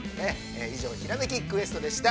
◆以上、「ひらめきクエスト」でした。